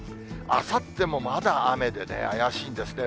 あさっても、まだ雨でね、怪しいんですね。